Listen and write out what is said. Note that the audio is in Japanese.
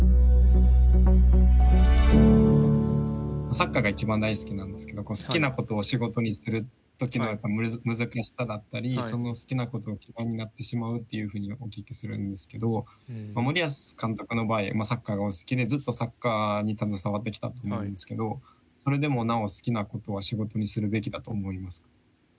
サッカーが一番大好きなんですけど好きなことを仕事にする時の難しさだったりその好きなことを嫌いになってしまうっていうふうにお聞きするんですけど森保監督の場合サッカーがお好きでずっとサッカーに携わってきたと思うんですけどそれでもなお好きなことは仕事にするべきだと思いますか？